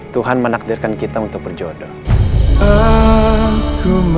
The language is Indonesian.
tuhan menakdirkan kita untuk berjodoh